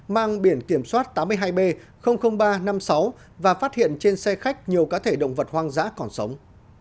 mang biển kiểm soát tám mươi hai b ba trăm năm mươi sáu và phát hiện trên xe khách nhiều cá thể động vật hoang dã còn sống